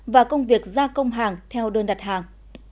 và công việc gia công hàng theo đơn đặt hàng